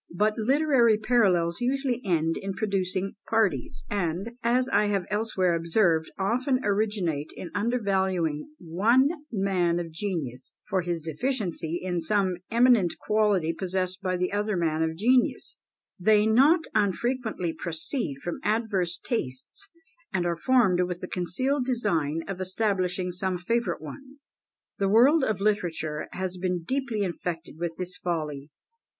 But literary parallels usually end in producing parties; and, as I have elsewhere observed, often originate in undervaluing one man of genius, for his deficiency in some eminent quality possessed by the other man of genius; they not unfrequently proceed from adverse tastes, and are formed with the concealed design of establishing some favourite one. The world of literature has been deeply infected with this folly.